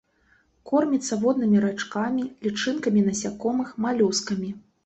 Корміцца воднымі рачкамі, лічынкамі насякомых, малюскамі.